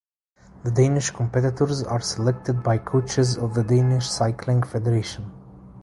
The Danish competitors are selected by coaches of the Danish Cycling Federation.